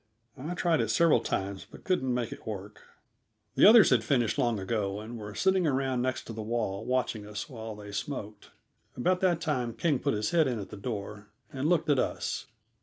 I tried it several times, but couldn't make it work. The others had finished long ago and were sitting around next the wall watching us while they smoked. About that time King put his head in at the door, and looked at us.